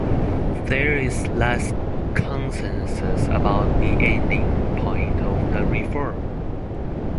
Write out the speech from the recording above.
There is less consensus about the ending point of the Reform.